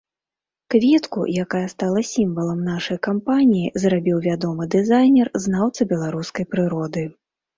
Кветку, якая стала сімвалам нашай кампаніі, зрабіў вядомы дызайнер, знаўца беларускай прыроды.